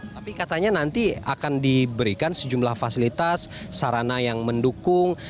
tapi katanya nanti akan diberikan sejumlah fasilitas sarana yang mendukung